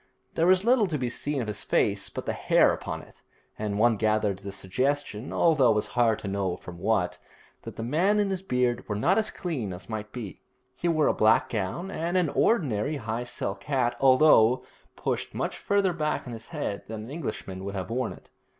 There was little to be seen of his face but the hair upon it, and one gathered the suggestion, although it was hard to know from what, that the man and his beard were not as clean as might be. He wore a black gown and an ordinary high silk hat, although pushed much farther back on his head than an Englishman would have worn it.